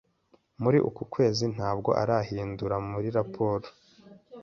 Muri uku kwezi, ntabwo arahindukira muri raporo.